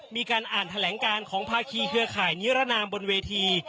มีการอ่านแถลงการของภาคีเครือข่ายนิรนามบนเวที